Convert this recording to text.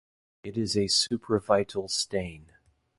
It is a supravital stain.